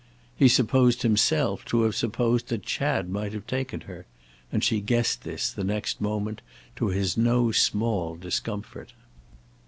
He supposed himself to have supposed that Chad might have taken her, and she guessed this the next moment to his no small discomfort.